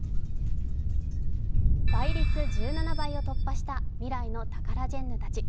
倍率１７倍を突破した未来のタカラジェンヌたち。